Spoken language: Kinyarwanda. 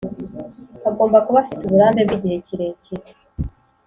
Agomba kuba afite uburambe bw’igihe kirekire